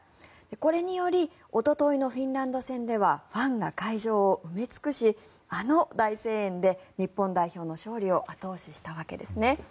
これによりおとといのフィンランド戦ではファンが会場を埋め尽くしあの大声援で日本代表の勝利を後押ししたわけですね。